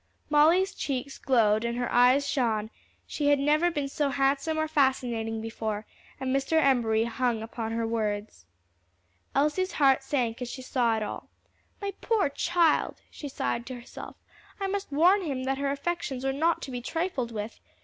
Molly's cheeks glowed and her eyes shone: she had never been so handsome or fascinating before, and Mr. Embury hung upon her words. Elsie's heart sank as she saw it all. "My poor child!" she sighed to herself. "I must warn him that her affections are not to be trifled with.